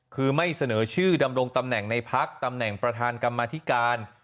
คือไม่เสนอชื่อดำรงตำแหน่งในพักตำแหน่งประธานกรรมธิการ